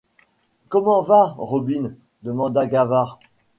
Comment va, Robine ? demanda Gavard.